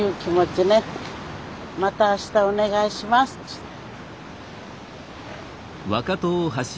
またあしたお願いしますって。